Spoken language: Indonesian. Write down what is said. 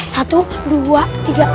satu dua tiga